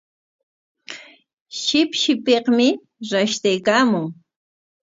Shipshipikmi rashtaykaamun.